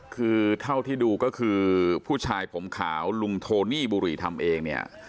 คือเท่าที่ดูก็คือผู้ชายผมขาวลุงโทนี่บุรีทำเองเนี่ย